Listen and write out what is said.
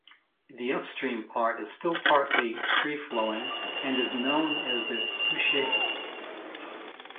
The upstream part is still partly free-flowing and is known as the Souchez.